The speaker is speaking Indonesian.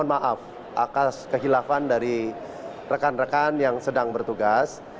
tapi apapun kami dari regulator mohon maaf akas kehilafan dari rekan rekan yang sedang bertugas